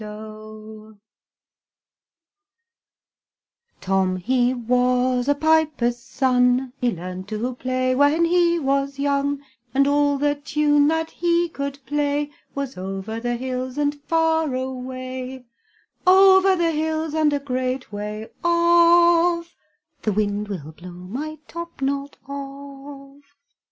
Tom, he was a piper's son, He learned to play when he was young, And all the tune that he could play Was, "Over the hills and far away," Over the hills, and a great way off, The wind will blow my top knot off.